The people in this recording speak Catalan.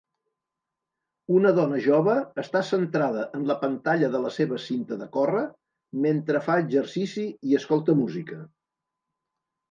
Una dona jove està centrada en la pantalla de la sevacinta de córrer mentre fa exercici i escolta música.